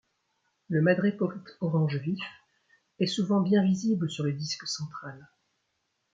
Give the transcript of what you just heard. Le madréporite orange vif est souvent bien visible sur le disque central.